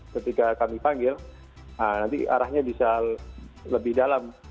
ketika kami panggil nanti arahnya bisa lebih dalam